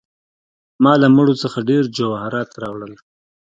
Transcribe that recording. ما له مړو څخه ډیر جواهرات راوړل.